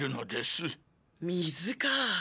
水か。